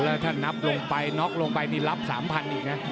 แล้วถ้านับลงไปน็อกลงไปนี่รับ๓๐๐อีกนะ